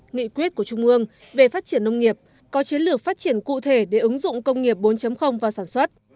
nghị quyết của trung ương về phát triển nông nghiệp có chiến lược phát triển cụ thể để ứng dụng công nghiệp bốn vào sản xuất